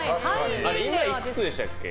今、いくつでしたっけ？